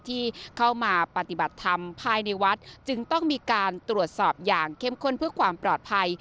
ที่เข้ามาปฏิบัติธรรมภายในวัดจึงต้องมีการตรวจสอบอย่างเข้มข้นเพื่อความปลอดภัย